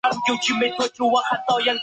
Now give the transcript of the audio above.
化工路是常见的路名。